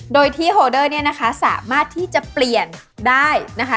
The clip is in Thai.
โดยที่โฮเดอร์เนี่ยนะคะสามารถที่จะเปลี่ยนได้นะคะ